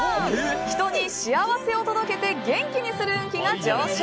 人に幸せを届けて元気にする運気が上昇。